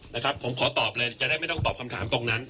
นะครับผมขอตอบเลยจะได้ไม่ต้องตอบคำถามตรงนั้น